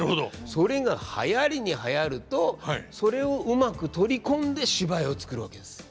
それがはやりにはやるとそれをうまく取り込んで芝居を作るわけです。